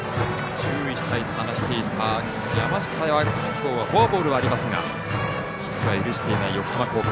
注意したいと話していた山下が、きょうはフォアボールはありますがヒットは許していない横浜高校。